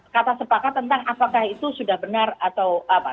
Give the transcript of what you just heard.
kata sepakat tentang apakah itu sudah benar atau apa